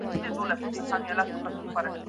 ماکس وبر په دې اړه لیکل کړي.